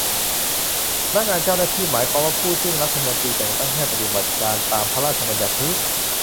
พนักงานเจ้าหน้าที่ หมายความว่า ผู้ซึ่งรัฐมนตรีแต่งตั้งให้ปฏิบัติการตามพระราชบัญญัตินี้